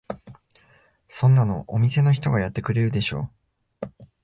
そんなのお店の人がやってくれるでしょ。